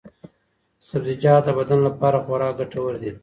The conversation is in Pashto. سبزیجات د بدن لپاره خورا ګټور دي.